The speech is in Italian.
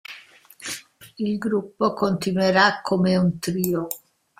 Il gruppo continuerà come un trio.